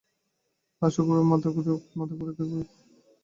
আজ শুক্রবার মাদ মাগরিব তাঁর বাসভবনে দোয়া মাহফিলের আয়োজন করা হয়েছে।